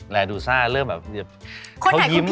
ดูซ่าเริ่มแบบเขายิ้ม